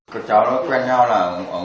các cháu nó quen nhau là